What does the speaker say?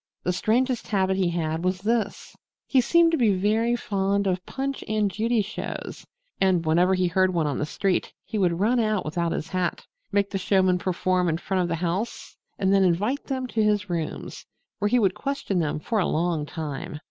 The strangest habit he had was this: He seemed to be very fond of Punch and Judy shows, and whenever he heard one on the street he would run out without his hat, make the showmen perform in front of the house and then invite them to his rooms, where he would question them for a long time.